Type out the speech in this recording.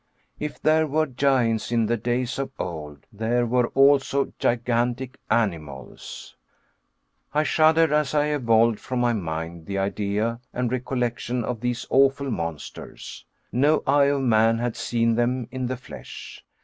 If there were giants in the days of old, there were also gigantic animals. I shuddered as I evolved from my mind the idea and recollection of these awful monsters. No eye of man had seen them in the flesh.